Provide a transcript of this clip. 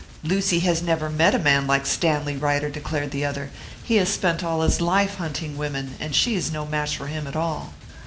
"Lucy has never met a man like Stanley Ryder!" declared the other. "He has spent all his life hunting women, and she is no match for him at all."